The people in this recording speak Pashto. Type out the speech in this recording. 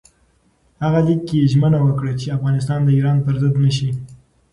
هغه لیک کې ژمنه وکړه چې افغانستان د ایران پر ضد نه شي.